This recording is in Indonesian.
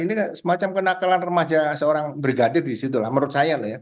ini semacam kenakalan remaja seorang brigadir disitulah menurut saya